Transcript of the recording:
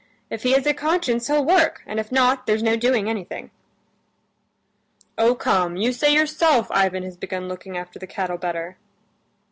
If he has a conscience, he'll work, and if not, there's no doing anything." "Oh, come, you say yourself Ivan has begun looking after the cattle better."